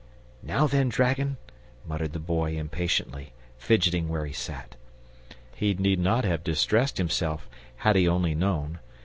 "Now then, dragon!" muttered the Boy impatiently, fidgeting where he sat. He need not have distressed himself, had he only known.